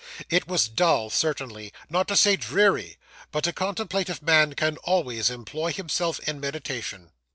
It was dull, certainly; not to say dreary; but a contemplative man can always employ himself in meditation.